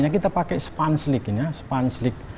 kita pakai sponge lick